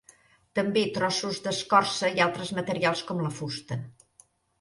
També trossos d'escorça i altres materials com la fusta.